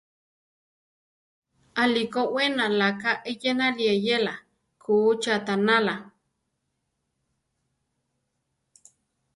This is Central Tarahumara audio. Aʼlí ko we naláka eyénali eyéla, kúchi aʼtanala aa.